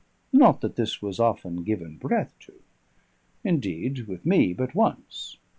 Not that this was often given breath to; indeed, with me but once.